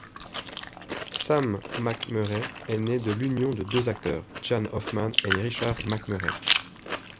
Sam McMurray est né de l'union de deux acteurs, Jane Hoffman et Richard McMurray.